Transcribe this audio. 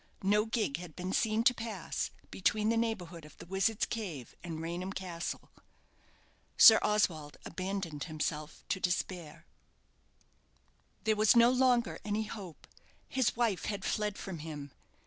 No gig had been seen to pass between the neighbourhood of the Wizard's Cave and Raynham Castle. Sir Oswald abandoned himself to despair. There was no longer any hope: his wife had fled from him.